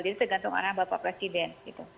jadi tergantung arahan bapak presiden